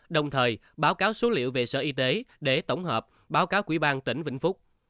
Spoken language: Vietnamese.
đồng thời báo cáo số liệu về sở y tế để tổng hợp báo cáo quỹ ban tỉnh vĩnh phúc